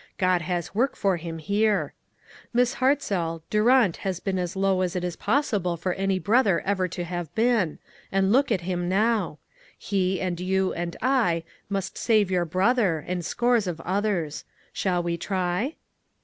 God has work for him here. Miss Hartzell, Durant has been as low as it is possible for any brother ever to have been, and look at him now ! Pie, and you, and I, must save your brother, and scores of others. Shall we try?"